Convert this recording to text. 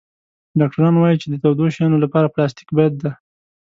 ډاکټران وایي چې د تودو شیانو لپاره پلاستيک بد دی.